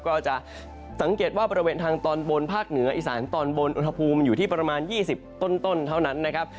ก็จะสังเกตว่าบริเวณทางตอนบนภาคเหนืออีสานตอนบนอุณหภูมิอยู่ที่ประมาณ๒๐ต้นเท่านั้นนะครับ